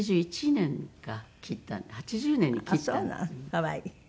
可愛い。